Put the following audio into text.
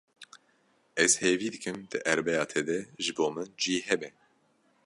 Ez hêvî dikim di erebeya te de ji bo min cî hebe.